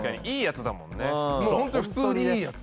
ホントに普通にいいやつ。